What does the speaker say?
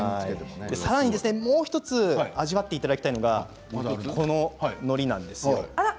もう１つ味わっていただきたいのがこの、のりです。